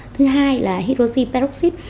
thứ hai là hydroxy peroxide